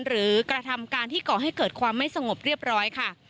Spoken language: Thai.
กระทำการที่ก่อให้เกิดความไม่สงบเรียบร้อยค่ะ